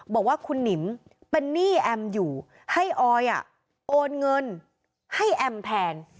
บอกว่าคุณหนิมเป็นหนี้แอมอยู่ให้ออยโอนเงินให้แอมแทน